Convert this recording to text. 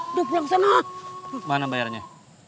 udah pake recian segala